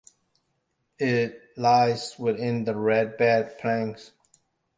It lies within the Red Bed plains.